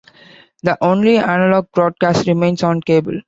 The only analogue broadcast remains on cable.